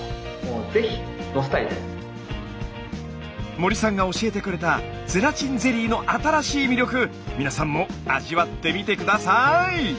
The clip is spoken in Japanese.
森さんが教えてくれたゼラチンゼリーの新しい魅力皆さんも味わってみて下さい！